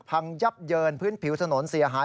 พังยับเยินพื้นผิวถนนเสียหาย